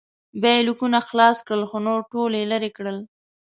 بیا یې لیکونه خلاص کړل خو نور ټول یې لرې کړل.